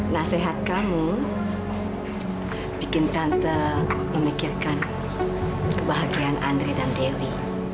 nasihat kamu bikin tante memikirkan kebahagiaan andre dan dewi